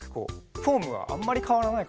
フォームはあんまりかわらないかな。